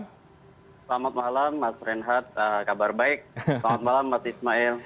selamat malam mas renhat kabar baik selamat malam mas ismail